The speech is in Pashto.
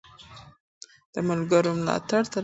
د ملګرو ملاتړ ترلاسه کړئ.